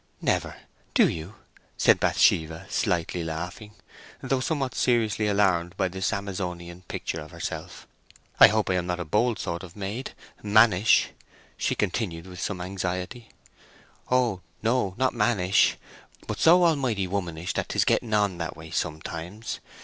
"Never! do you?" said Bathsheba, slightly laughing, though somewhat seriously alarmed by this Amazonian picture of herself. "I hope I am not a bold sort of maid—mannish?" she continued with some anxiety. "Oh no, not mannish; but so almighty womanish that 'tis getting on that way sometimes.